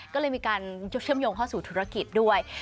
ก็เลยมีการยุบเชื่อมโยงเข้าสู่ธุรกิจด้วย